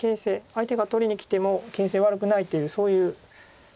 相手が取りにきても形勢悪くないというそういう。